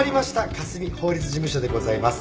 香澄法律事務所でございます。